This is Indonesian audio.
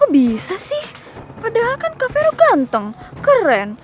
bisa sih padahal kan kak vero ganteng keren